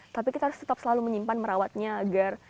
tapi kita harus tetap selalu menyimpan merawatnya agar